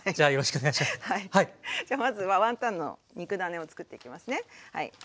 じゃあまずはワンタンの肉ダネをつくっていきますね。